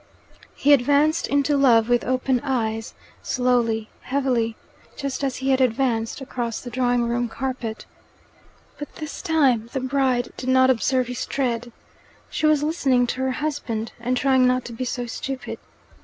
He advanced into love with open eyes, slowly, heavily, just as he had advanced across the drawing room carpet. But this time the bride did not observe his tread. She was listening to her husband, and trying not to be so stupid.